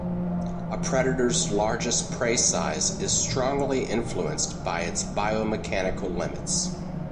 A predator's largest prey size is strongly influenced by its biomechanical limits.